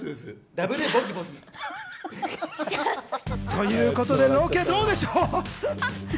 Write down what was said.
ということで、ロケどうでしょう？